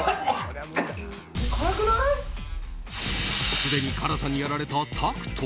すでに辛さにやられたタクト。